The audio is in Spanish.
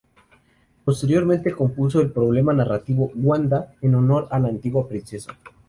Posteriormente compuso el poema narrativo "Wanda" en honor a la antigua princesa.